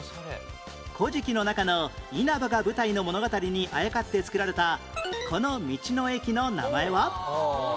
『古事記』の中の因幡が舞台の物語にあやかって付けられたこの道の駅の名前は？